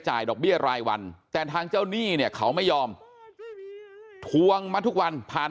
ดอกเบี้ยรายวันแต่ทางเจ้าหนี้เนี่ยเขาไม่ยอมทวงมาทุกวันผ่าน